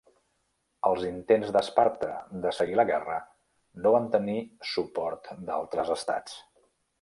Els intents d'Esparta de seguir la guerra no van tenir suport d'altres estats.